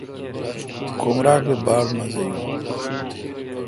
کمراٹ می باڑ مزا یون۔